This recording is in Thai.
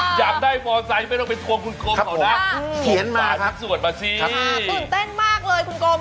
ค่ะอยากได้ฟอร์ไซด์ไม่ต้องไปทวงคุณกรมเหรอนะส่วนมาส่วนส่วนมาสิค่ะตื่นเต้นมากเลยคุณกรม